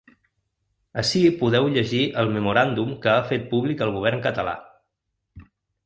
Ací podeu llegir el memoràndum que ha fet públic el govern català.